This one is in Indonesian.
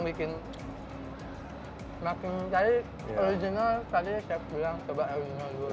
makin jadi original tadi chef bilang coba original dulu